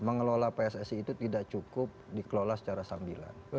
mengelola pssi itu tidak cukup dikelola secara sambilan